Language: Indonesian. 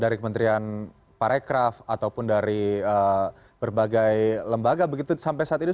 dari kementerian parekraf ataupun dari berbagai lembaga begitu sampai saat ini